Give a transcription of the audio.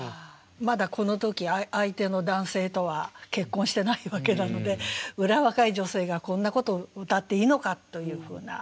まだこの時相手の男性とは結婚してないわけなのでうら若い女性がこんなことを歌っていいのかというふうな。